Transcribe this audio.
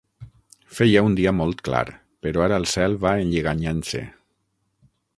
Feia un dia molt clar, però ara el cel va enlleganyant-se.